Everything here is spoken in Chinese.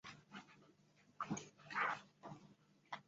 拉艾马莱尔布人口变化图示